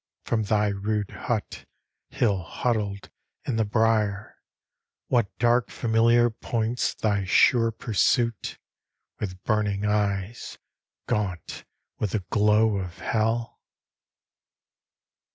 From thy rude hut, hill huddled in the brier, What dark familiar points thy sure pursuit, With burning eyes, gaunt with the glow of Hell?